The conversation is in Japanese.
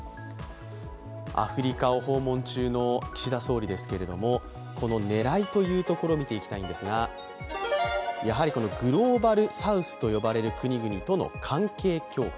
アフリカを訪問中の岸田総理ですけれども、この狙いというところを見ていきたいんですがこのグローバルサウスと呼ばれる国々との関係強化。